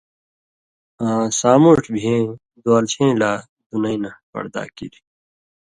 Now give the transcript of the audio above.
آں سامُوٹھیۡ بِھیَیں دُوالشَیں لا دُنَیں نہ پڑدا کیریۡ۔